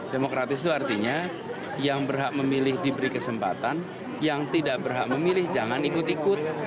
demokratis itu artinya yang berhak memilih diberi kesempatan yang tidak berhak memilih jangan ikut ikut